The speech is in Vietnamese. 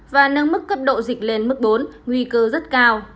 và nâng mức cấp độ dịch lên mức bốn nguy cơ rất cao